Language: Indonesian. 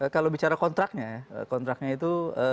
kalau bicara kontraknya kontraknya itu